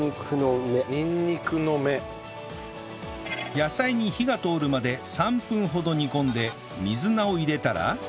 野菜に火が通るまで３分ほど煮込んで水菜を入れたら